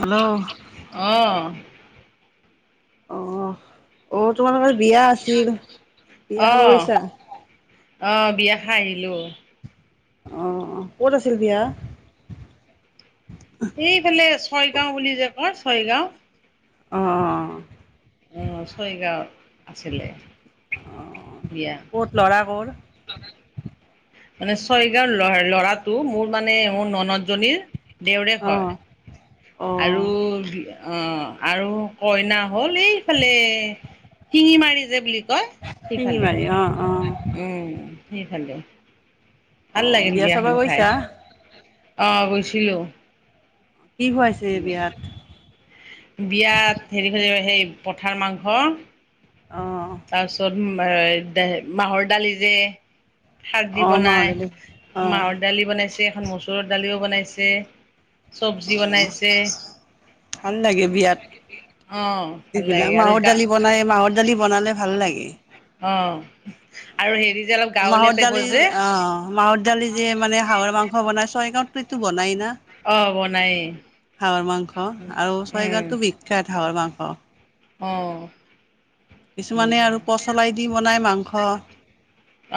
Hello অ, অ অ তোমালোকে বিয়া আছিল, বিয়া খাব অ', গৈছা। অ বিয়া খাই আহিলো। অহ ক'ত আছিল বিয়া? এইফালে ছয়গাঁও বুলি যে কয় ছয়গাঁও। অ অ। অ', ছয়গাঁৱত আছিলে। বিয়া। ক'ত ল'ৰা কৰ? [unintelligible] মানে ছয়গাঁও ল ল'ৰাটো মোৰ মানে মোৰ ন ন জনীৰ দেওৰেক অ হয় অ আৰু অ আৰু কইনা হ'ল এইফালে শিঙি মাৰি যে বুলি কয় সিফালে। শিঙিমাৰী অ অ উম, সিফালে। অ বিয়া চাবা গৈছা? অহ গৈছিলো। কি খুৱাইছে বিয়াত উ বিয়াত হেৰি হৰে সেই পথাৰ মাংস অ তাৰপিছত [unintelligible] মাহৰ দালি যে খাৰ দি অ মাহৰ বনাই, দালি অ মাহৰ দালি বনাইছে, এখন মচুৰৰ দালিও বনাইছে। চব্জি বনাইছে। ভাল লাগে বিয়াত অ ভাল লাগে সেবিলাক আৰু মাহৰ গা দালি বনাই, মাহৰ দালি বনালে ভাল লাগে। অ আৰু হেৰিজ মাহৰ দালি অ'। মাহৰ দালি যে মানে হাঁহৰ মাংস বনাই ছয়গাঁওটো এইটো বনাইয়েই। অ' বনাইয়েই। হাঁহৰ মাংস আৰু ছয়গাঁওটো বিখ্যাত হাঁহৰ মাংস। অহ' কিছুমানে আৰু পচলাই দি বনাই মাংস।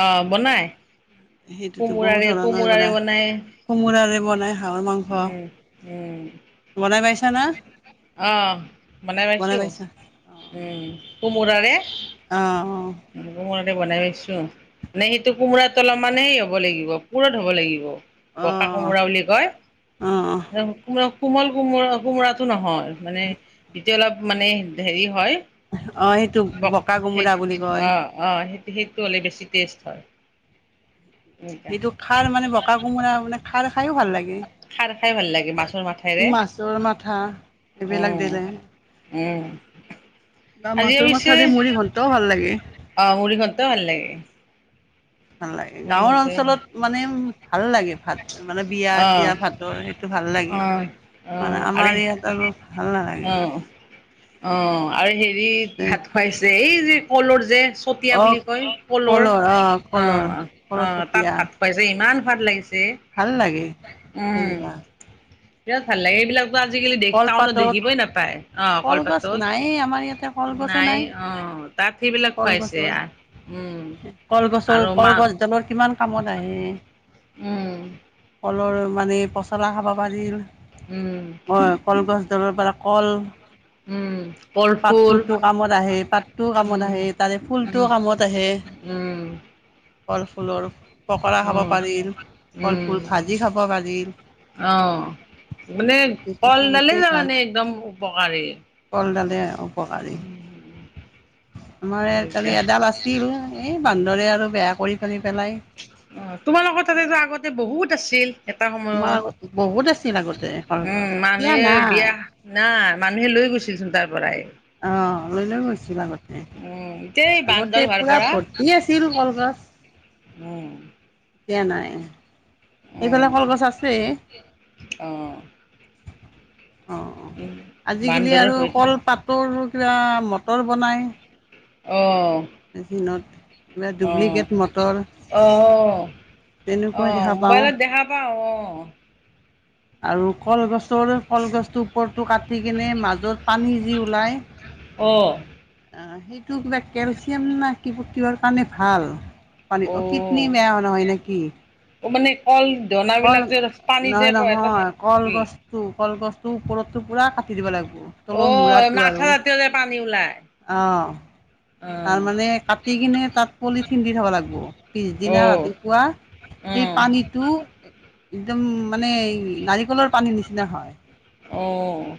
অ বনাই সেইটোতো বহুত কোমোৰাৰে ধৰণেৰে কোমোৰাৰে বনাই কোমোৰাৰে বনাই হাঁহৰ মাংস উম বনাই পাইছা না? আহ বনাই পাইছোঁ। উম, কোমোৰাৰে আহ [unintelligible] বনাই‌ পাইছোঁ, মানে সেইটো কোমোৰাটো অলপমানে সেই হ'ব লাগিব পুৰঠ হ'ব লাগিব। পকা অ', কোমোৰা বুলি কয়। অ', অ', কোমল কোমোৰা কোমোৰাটো নহয়। মানে এতিয়া অলপ মানে হেৰি হয়। অ' সেইটো বকা কোমোৰা বুলি কওঁ। অ' অ' সেইটো সেইটো হ'লে বেছি টেষ্ট হয়। এনেকা সেইটো সাৰ মানে বকা কোমোৰা মানে সাৰ খাইয়ো ভাল লাগে, খাৰ খাই ভাল লাগে মাছৰ মাথাৰে মাছৰ মাঠা এইবিলাক উম দিলে উম। বা মাছৰ মাঠা দি মূৰিঘন্টও ভাল লাগে। অ' মূৰিঘণ্টাও ভাল লাগে। ভাল লাগে মুৰি গাওঁৰ ঘন্ট অঞ্চলত মানে ভাল লাগে ভাত। মানে বিয়া অঁ চিয়া ভাতৰ সেইটো ভাল লাগে অঁ মানে আমাৰ ইয়াত আৰু ভাল নালাগে। অ' অ' আৰু হেৰি ভাত খুৱাইছে এই যে কলৰ যে চতিয়া অ বুলি কয় কলৰ অ' অ' তাত ভাত খুৱাইছে ইমান খোৱাদ লাগিছে। দে। ভাল লাগে সেইবা বিৰাত ভাল লাগে, সেইবিলাকতো আজিকালি দেখিব টাউনত কলপাতত দেখিবই নাপায় অ কলগছ নায়েই আমাৰ ইয়াতে কলপাতত কলগছে নাই অঁ তাত সেইবিলাক খুৱাইছে। কলগছৰ উম কলগছৰ আৰু মা কলগছডালৰ কিমান কামত আহে। উম। কলৰ মানে পচলা খাব পাৰিল উম অ কলগছ তাৰ পৰা কল-' উম কলফুল পাতটোতো কামত আহে পাতটোও উ কামত আহে তাৰে উ ফুলটোও উম কলফুলৰ পকৰা খাব উম পাৰি কলফুল উম ভাজি খাব পাৰি। অ', মানে কলদালে যে মানে একদম উপকাৰী,, পাৰি আমাৰ তাৰে এদাল আছিল এই বান্দৰে আৰু সৰি খিনি পেলাই অ তোমালোকৰ তাতেতো আগতে বহুত আছিল এটা তোমাৰ সময়ত আগত বহুত আছিল আগতে উম কলগছ এতিয়া মানুহে নাই বিয়া না মানুহে গৈছিল চোন তাত। অ লৈ লৈ গৈছিল। উম, এতিয়া এই আগতে বান্দৰ হোৱাৰ পুৰা ভৰ্তি আছিল কলগছ। হম। দিয়া নাই এইফালে কলগছ আছে। অ', অ উম, আজিকালি বান্দৰৰ আৰু সৈতে কলপাতৰ কিবা মটৰ বনাই। অ মেচিনত,, কিবা অ', ডুপ্লিকেট মটৰ অ'। তেনেকুৱাই অ', দেখা পাওঁ মোবাইলত দেখা পাওঁ, অ'। আৰু কলগছৰ কলগছটোৰ ওপৰটো কাটি কিনে মাজত পানী যি ওলায় অ'। অ', সেইটো কিবা কেলচিয়াম না কি-কিহৰ কাৰণে ভাল। পানী অ', কিতনি বেয়া নহয় নেকি? মানে কল কল, ধনাবিলাক যে পানী যে নহয় এটা নহয়, কি কলগছটো কলগছটো ওপৰতো পুৰা কাটি দিব লাগ অ', মাথা ৰাতিও যে পানী ওলাই অ', তাৰ অ' মানে কাটি কিনে তাত পলিথিন দি থ'ব লাগব। পিছদিনা অ' ৰাতিপুৱা, সেই অ' পানীটো, একদম মানে নাৰি লৰ পানীৰ নিচিনা হয়। অ'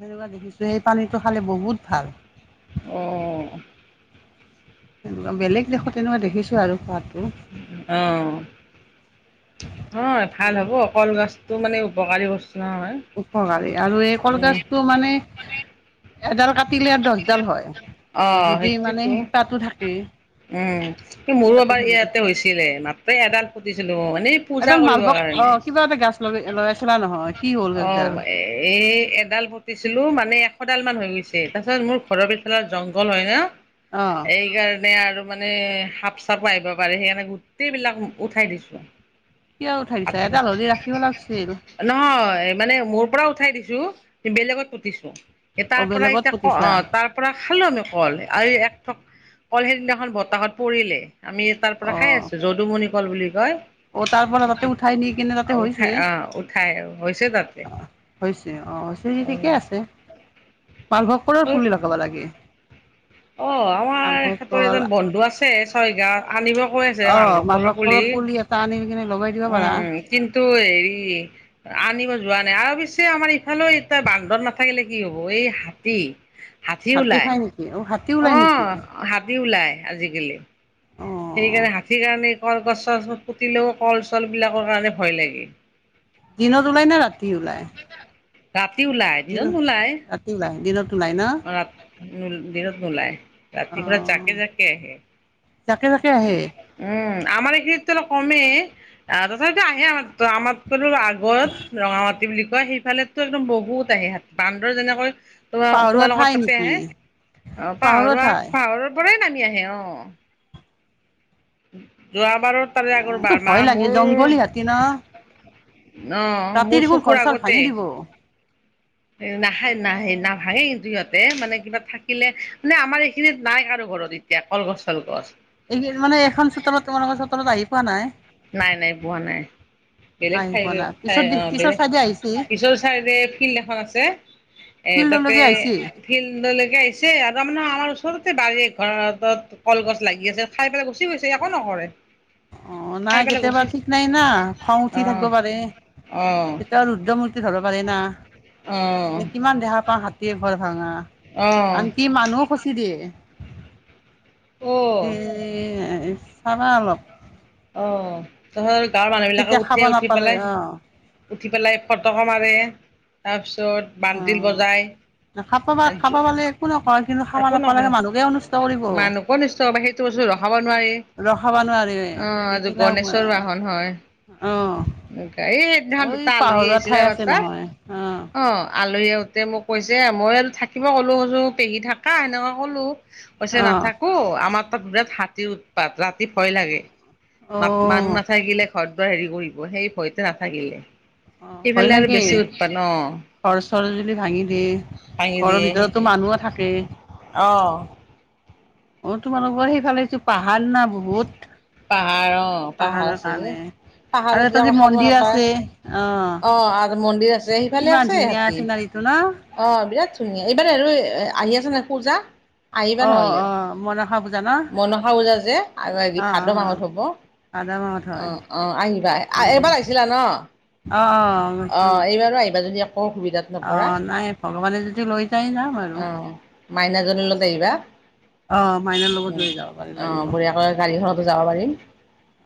তেনেকুৱা দেখিছো, সেই পানীটো খালে বহুত ভাল। অ'। বেলেগ দেশত তেনেকুৱা দেখিছোঁ আৰু পোৱাত অ'। অ', ভাল হ'ব, কলগছটো মানে উপকাৰী বস্ উপকাৰী আৰু এই কলগছতটো মানে এডাল কা তিলে দছডাল হয়, অ' যদি মানে সেইটোতো শিপাটো থাকে। উম, এই মোৰো শিপাটো এবাৰ থাকিলে ইয়াতে হৈছিলে, মাত্ৰ এডাল পুটিছিলো এডাল মালভোক, অ', কিবা এটা গাছ লগাই-লগাইছিলা ন অ', এ-এই এডাল পুতিছিলো, মানে এ সডাল মান হৈ গৈছে, তাৰপিছত মোৰ ঘৰৰ পিছালত জংঘল হয় ন, অ এইকাৰ মানে আৰু মানে সাপ চাপো আহিব পাৰে, সেইকাৰণে গোটেইবলাক উঠাই দিছোঁ। কিয় উঠাইছা, কাটি এডাল হ'লেও ৰাখিব লাগছিল। নহয় মানে মোৰ পৰা উঠাই দিছো, বেলেগত পুতিছো। এ অ তাৰ পৰা বেলেগত এতিয়া, পুতিছা অ' তাৰ পৰা খালো আমি কল, আৰু একঠক কল সেইদিনাখন বতাহত পৰিলে। আমি তাৰ পৰা অ খাই আছো, যদুমণি কল বুলি কয়। অ', তাৰ পৰা তাতে সেইটো উঠাই নি কেনে তাতে উঠাই হৈছেই। আহ উঠাই হৈছে তাতে অ' হৈছে, অ', হৈছে যদি অ। ঠিকেই আছে। মালভোগ কলৰ পুলি লগাব লাগে। অ', আমাৰ মালভোগ এখেতৰ কল এজন বন্ধু আছে ছয়গাঁৱৰ, আনিব হৈ আছে অ মালভোগ কলৰ পুলি, এটা আনি কিনে লগাই দিব উম পাৰা উম, কিন্তু এইটো হেৰি, আনিব যোৱা নাই, আৰু পিছে আমাৰ ইফালেও এতিয়া বান্দৰ নাথাকিলে কি হ'ব, এই এই হাতী হাতী খাই নেকি, অ' হাত অ', হাতী ওলাই আজিকালি। অ সেইকাৰণে হাতীৰ কাৰণে কলগছ-চছবোৰ পুতিলেও কল চল বিলাকৰ কাৰণে ভয় লাগে। দিনত ওলাই নে ৰাতি ওলাই? ৰাতি ওলাই দিনত, নোলায়। ৰাতি ওলাই দিনত নোলায় ন? নেউল দিনত নোলায়, অ ৰাতি পুৰা জাকে জাকে আহে। জাকে জাকে আহে উম। আমাৰ এইখিনিতটো অলপ কমেই, আ-তথাপিতো আহে আমাৰ তাতো-আমাৰ তাৰো আগত, ৰঙা মাটি বুলি কয়, সেইফালেটো একদম বহুত আহে হাট-বান্দৰ যেনেকৈ পাহৰুৱা তোমা-তোমালোকৰ ঠাই তাতে, নেকি অ' পাহৰুৱা ঠাই পাহৰুৱা-পাহাৰৰ পৰাই নামি তি আহে অ'। যোৱাবাৰৰ তাৰে আগৰ অ বাৰ মা ভয় লাগে মোৰ জংঘলী হাতী ন অ ৰাতি মোৰ দেখোন ঘৰ চৰ ভাঙি দিব। এ নাখায় নাহে অ', নাভাঙে কিন্তু সিহঁত হে মানে কিবা থাকিলে মানে আমাৰ এইখিনিত নাই কাৰো ঘৰত এতিয়া কলগছ চলগছ এই মানে এখন চোতালত তোমালোকৰ চোতালত আহি পোৱা নাই নাই নাই পোৱা নাই বেলেগ আহি ঠাই পোৱা নাই ঠাই পিছত অ পিছৰ বেলেগ চাইডে আহিছে পিছৰ চাই ফিল্ড এখন এ আছে এ তাতে ফিল্ডলৈকে আহিছে ফিল্ডলেকে আহিছে আৰু তাৰমানে আমাৰ ওচ ওচৰতে বাৰীয়ে ঘত কলগছ লাগি আছে খাই পেলাই গুচি গৈছে একো নকৰে অ খাই নাই পেলাই কেতিয়াবা গুচি ঠিক নাই না খং উঠি অ থাকিব পাৰে অ কেতিয়া ৰুদ্ৰমু ধৰব পাৰি না অ কিমান দেহা পাওঁ হাতীয়ে ঘৰ ভাঙা অ আনকি অ মানু হ কুচি দিয়ে এ চাবা অলপ, অ ধৰ, গাঁৱৰ মানুহবিলাকে তেতিয়া খাব উঠে উঠি নাপালে পেলাই অ উঠি পেলাই ফটকা মাৰে তাৰপিছত, ত অ বান্তল বজাই, খাব পা খাব পালে একো নকয় কিন্তু খাব একো নাপালে নকৰে মানুহকে অনিষ্ট কৰিব মানুহ কো নিষ্টয় হ সেইটো বস্তু ৰখাব, নোৱাৰি ৰখাব নোৱাৰে অ এইবিলাক গনেশৰ বাহন হয়। অ এইদিনা এই দুটা আলহী পাহৰুৱা আহিছিলে ঠাই আমাৰ আছে তাত নহয় অ আল, আলহী আহোতে মোক কৈছে মই থাকিব ক'লোৰ পেহী থাকা সেনেকে কলো। কৈইছে অ', নাথাকো আমাৰ তাত বিৰাট হাতীৰ উৎপাত ৰাতি ভয় লাগে। মা মানুহ অ', নাথাকিলে ঘৰত বাৰ হেৰি কৰিব সেই ভয়তে নাথাকিলে। অ', ভয় সেইফালে আৰু লাগে বেছি উৎপাদ ন। ঘৰ চৰ যুলি ভাঙি দিয়ে ঘৰৰ ভিতৰতো মানুহো থাকে। অহ অ তোমালোকৰ সেইফালেছো পাহাৰ না বহুত, পাহাৰ অ পাহাৰ পাহাৰৰ আছে যে। কাৰণে আৰু পাহাৰত এটা যাব যে খাব মন্দিৰ আছে নাপায় অ আৰু মন্দিৰ আছে সেইফালে ইমান আছে ধুনীয়া ইহতি [unintelligible] অ বিৰাট ধুনীয়া এইবাৰ আৰু আহি আছে নে পূজা আহিবা অ', নহলে অ', মনসা পূজা ন মনসা পুজাত যে আৰ আইবি অ', ভাদ অ', মাহত হ'ব ভাদ মাহত হয় আহ আহ আহিবা অ', এবাৰ আহিছিলা ন। অ', অ গৈছো এইবাৰো আহিবা যদি। অসুবিধাত নপৰা অ', নাই ভগৱানে যদি লৈ যায় যাম আৰু অ মাইনাজনিলগত আহিবা। অ', মাইনাৰ লগত উ লৈ যাব পাৰি অ লাগিব বঢ়িয়াকৈ গাড়ীখনতো যাব পাৰিম।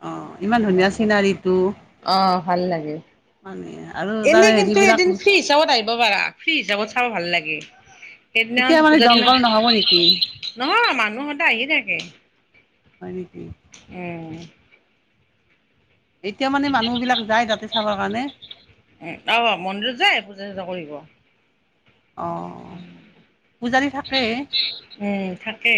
অ', ইমান ধুনীয়া চিনাৰীটো অ ভাল লাগে। মানে আৰু তাৰ এনে কিন্তু হেৰিবিলাক এদিন ফ্ৰী হিচাপত আহিব পাৰা ফ্ৰী হিচাপত চাব ভাল লাগে। সেইদিনা এতিয়া মানে পূজাৰ দিনা জংঘল নহ'ব নেকি নহয় মানুহতে আহি থাকে হয় নেকি? উম তেতিয়া মানে মানুহ বিলাক যায় তাতে চাবৰ কাৰণে। উম, অহ, মন্দিৰত যায় পূজা চুজা কৰিব। অ', পূজাৰী থাকে উম থাকে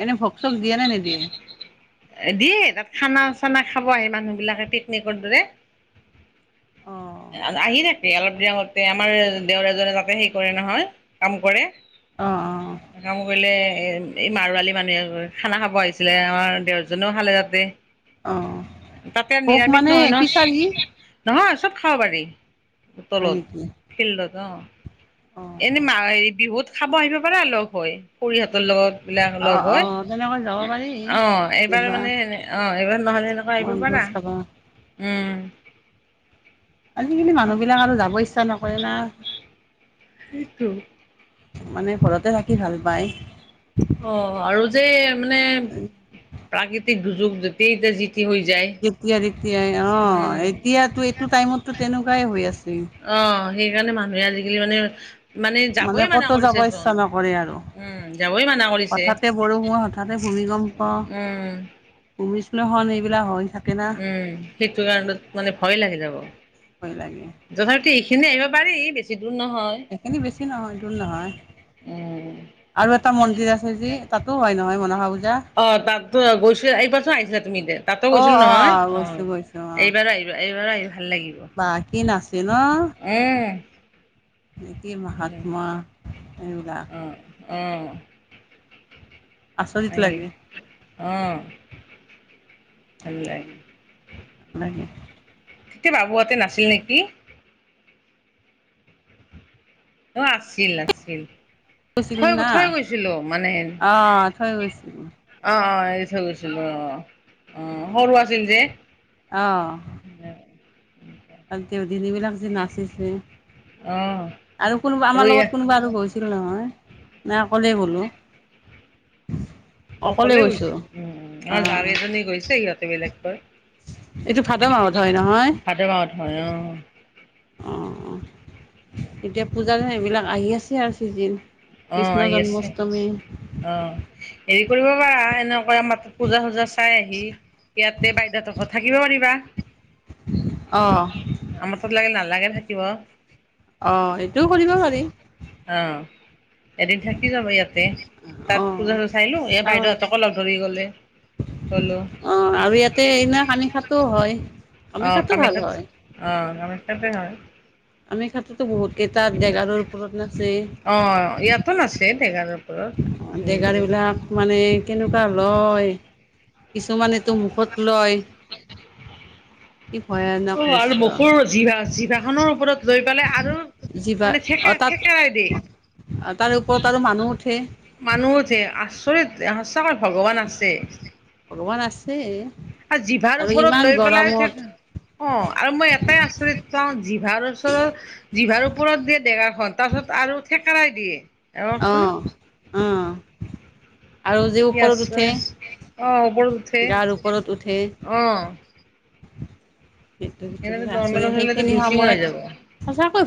এনে ভোগ চোগ দিয়ে নে নিদিয়ে? [unintelligible] দিয়ে তাত খানা চানা খাব আহি মানুহ বিলাকে পিকনিকৰ দৰে অ', আ আহি থাকে অলপ দিন আগতে আমাৰ দেওৰ এজনে তাতে সেই কৰে নহয় কাম কৰে অ', অ বোলে এ, এই মাৰোৱলি মানুহে খানা খাব আহিছিলে আমাৰ দেওৰজনেও খালে তাতে। অ', অ', তাতে ভোগ নিৰামিষ মানে নহয় নহ খিচাৰি নহয় চ খাব পাৰি হয় তলত নেকি? ফিল্ডত অ এনে অ', মা হেৰি বিহুত খাব আহিব পাৰ এতে লগ হৈ খৰিহঁতৰ লগত বিলাক অ', লগ হৈ অ', তেনেকৈ যাব পাৰি অ, এইবাৰ কেতিয়াবা মানে এনে অ, এইবাৰ নহলে এনেকুৱা আহিব পাৰা। বনভোজ খাব উম আজিকালি মানুহ বিলাক আৰু যাব ইচ্ছা নকৰে না সেইটো মানে ঘৰতে থাকি ভাল পাই। অ' আৰু যে এ মানে প্ৰাকৃতিক দুৰ্যোগ, যতে এতিয়া যি টি হৈ যায় যেতিয়াই তেতিয়াই অঁ, উম। এতিয়াটো এইটো টাইমতো তেনেকুৱাই হৈ আছে। অঁ সেইকাৰণে মানুহে আজিকালি মানে মানে যাবই মানা কতো যাব কৰিছে চোন। ইচ্ছা নকৰে আৰু। উম, যাবই মানা কৰিছে হঠাতে বৰষুণ হঠাতে ভূমিকম্প উম। ভূমিশ্লেষন এইবিলাক হয়। উম সেইটো কাৰণত মানে ভয় লাগে যাব। ভয় লাগে তথাপিও এইখিনি আহিব পাৰি বেছি দূৰ নহ এখিনি বেছি নহয়। দূৰ নহয়। উম। আৰু এটা মন্দিৰ আছে যি, তাতো হয় নহয় মন অঁ তাতটো আ গৈছোঁ। এইবাৰচোন আহিছিলা তুমি এতে, তাতো অ গৈছিলো অ নহয়। অঁ গৈছো গৈছো অ এইবাৰো আহিবা। এইবাৰো আহি ভাল লাগিব বা কি নাচে ন উম। [unintelligible] মহাত্মা। এইবিলাক। অ অ'। আছৰিত লাগে। অঁ, ভাল লাগে। ভাল লাগে তেতিয়া বাবুহঁতে নাছিল নেকি? অ' আছিল, আছিল। গৈছিলো থৈ গ, না থৈ গৈছিলো মানে অ থৈ গৈছিলো অঁ অঁ দি থৈ গৈছিলো অ'। অ' সৰু আছিল যে। অ আৰু দেউদিদি বিলাক যে নাচিছি। অ আৰু কোনোবা, আমাৰ ৰৈ লগত কোনোবা আৰু গৈছিল নহয়। নাই অকলেই গ'লো। অকলে গৈছ। উ, উ, অ' অঁ যাৰ কেইজনী গৈছে সিহঁতে বেলেগকৈ। এইটো ভাদ মাহত হয় নহয়? ভাদ মাহত হয় অ অ অ এতিয়া পূজাৰ সেইবিলাক আহি আছে আৰ চিজিন। কৃষ্ণ জন্মাষ্টমী অঁ হেৰি কৰিব পাৰা, এনেকুৱা আমাৰ তাত পূজা চূজা চাই আহি ইয়াতে বাইদেউহঁতৰ ঘৰত থাকিব পাৰিবা। অঁ আমাৰ তাত লাগে নালাগে থাকিব। অ' সেইটোও কৰিব পাৰি। অঁ। এদিন থাকি যাব ইয়াতে। তাত অঁ পূজাটো চাইলো, এয়া বাইদেউহঁতকো লগ ধৰি গ'লে। হেল্লো অঁ আৰু ইয়াতে সেইদিনা কামাখ্যাটো হয়। অ কামাখ্যাতো ভাল কামাখ্যাত, হয় অঁ কামাখ্যাতে হয়। কামাখ্যাতেটো বহুতকেইটা দেগাৰৰ ওপৰত নাচে। অ', ইয়াতো নাছে ঢেকাৰ ওপৰত অ নিজে ডেগাৰবিলাক মানে কেনেকুৱা লয়। কিছুমানেটো মুখত লয়। [inaudible] কি ভয়ানক অ' আৰু দৃশ্য মুখৰ জিভা, জিভাখনৰ ওপৰত লৈ পেলাই আৰু যিবা মানে অ থেকেৰা, তাত থেকেৰাই দিয়ে। তাৰে ওপৰত আৰু মানুহ উঠে। মানুহ উঠে। আচৰিত! সঁচা কথা ভগৱান আছে। ভগৱান আছে আৰু জিভাৰ ওপৰত ইমান লৈ পেলাই গৰমত থাক, অঁ আৰু মই এটাই আচৰিত পাওঁ জিভা ওপৰত জিভাৰ ওপৰত যে ডেগাৰখন, তাপিছত আৰু থেকেৰাই দি। অ' অ ককচোন। অ' আৰু যে কি ওপৰত আছে উঠে। অ' ওপৰত উঠে গাৰ ওপৰত উঠে। অ' ইটো সিটো এনেকে কিবা আছৰি নৰ্মেলত হ'লেতো সেইখিনি দুচিঙা সময়ত হৈ যাব। সঁচা